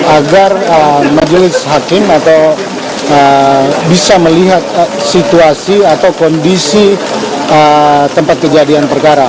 agar majelis hakim atau bisa melihat situasi atau kondisi tempat kejadian perkara